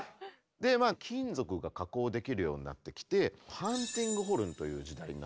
金属が加工できるようになってきてハンティングホルンという時代になったんですね。